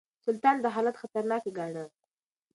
سلطان دا حالت خطرناک ګاڼه.